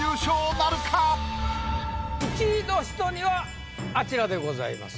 １位の人にはあちらでございますね。